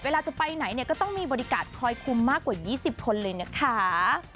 เวลาจะไปไหนเนี่ยก็ต้องมีบริการคอยคุมมากกว่า๒๐คนเลยนะคะ